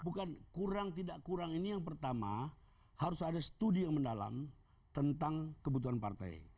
bukan kurang tidak kurang ini yang pertama harus ada studi yang mendalam tentang kebutuhan partai